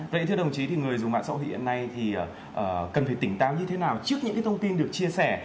vậy thưa đồng chí thì người dùng mạng xã hội hiện nay thì cần phải tỉnh táo như thế nào trước những thông tin được chia sẻ